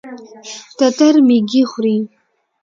تتر ميږي خوري.